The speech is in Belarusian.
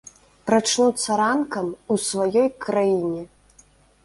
Прачнуцца ранкам у сваёй краіне.